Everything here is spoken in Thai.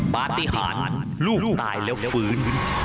ปฏิหารลูกตายแล้วฟื้น